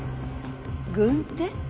軍手？